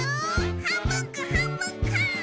はんぶんこはんぶんこ！